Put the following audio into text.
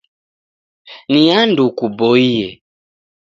Ni andu kuboie.